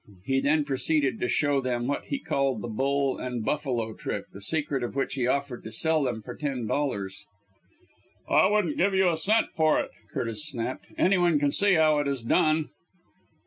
He then proceeded to show them what he called the Bull and Buffalo trick, the secret of which he offered to sell them for ten dollars. "I wouldn't give you a cent for it!" Curtis snapped. "Any one can see how it is done."